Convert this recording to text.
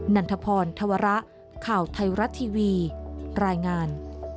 นันทพรธวระข่าวไทยรัฐทีวีรายงาน